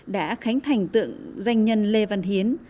đã khánh thành tượng danh nhân lê văn hiến